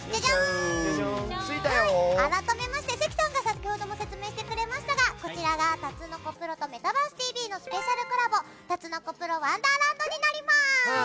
関さんが先ほども説明してくれましたがこちらがタツノコプロと「メタバースＴＶ！！」のスペシャルコラボ、タツノコプロワンダーランドになります。